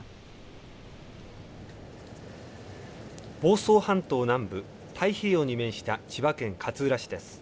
房総半島南部、太平洋に面した千葉県勝浦市です。